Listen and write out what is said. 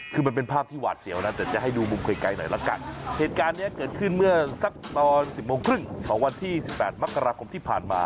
คือมันเป็นภาพที่หวาดเสียวนะแต่จะให้ดูมุมไกลไกลหน่อยละกันเหตุการณ์เนี้ยเกิดขึ้นเมื่อสักตอนสิบโมงครึ่งของวันที่สิบแปดมกราคมที่ผ่านมา